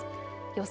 予想